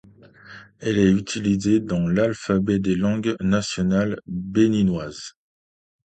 Elle est utilisée dans l’alphabet des langues nationales béninoises.